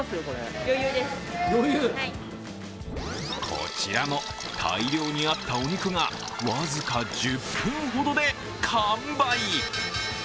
こちらも大量にあったお肉が僅か１０分ほどで完売。